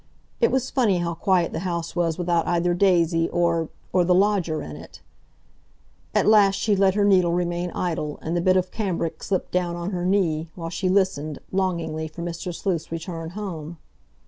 It was funny how quiet the house was without either Daisy, or—or the lodger, in it. At last she let her needle remain idle, and the bit of cambric slipped down on her knee, while she listened, longingly, for Mr. Sleuth's return home.